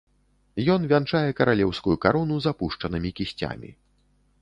Ён вянчае каралеўскую карону з апушчанымі кісцямі.